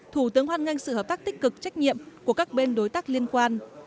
thủ tướng hoan nghênh sự hợp tác tích cực trách nhiệm của các bên đối tác liên quan